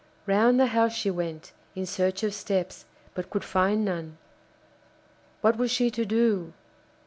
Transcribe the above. Round the house she went, in search of steps, but could find none. What was she to do?